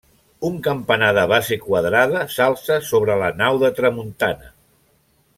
Un campanar de base quadrada s'alça sobre la nau de tramuntana.